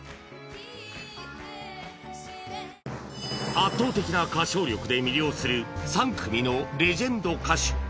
圧倒的な歌唱力で魅力する３組のレジェンド歌手